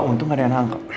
untung gak ada yang nangkep